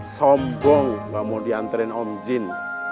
sombong enggak mau dianterin om jin